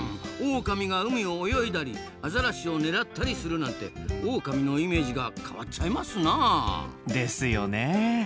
オオカミが海を泳いだりアザラシを狙ったりするなんてオオカミのイメージが変わっちゃいますなあ。ですよね。